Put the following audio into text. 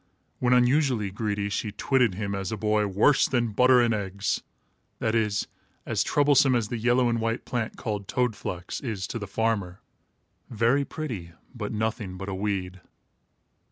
When unusually greedy, she twitted him as a boy "worse than Butter and Eggs"; that is, as troublesome as the yellow and white plant, called toad flax, is to the farmer very pretty, but nothing but a weed.